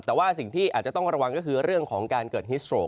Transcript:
แต่ว่าสิ่งที่อาจจะต้องระวังก็คือเรื่องของการเกิดฮิสโตรก